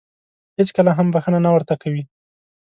هېڅکله هم بښنه نه ورته کوي .